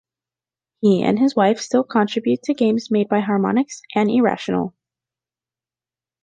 He and his wife still contribute to games made by Harmonix and Irrational.